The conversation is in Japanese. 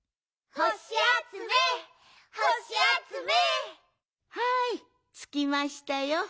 ほしあつめ！はいつきましたよ。